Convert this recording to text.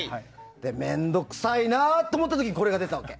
面倒くさいなと思った時にこれが出たわけ。